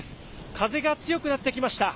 風が強くなってきました。